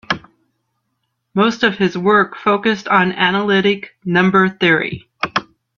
Most of his work focused on analytic number theory.